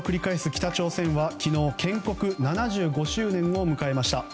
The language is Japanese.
北朝鮮は昨日建国７５周年を迎えました。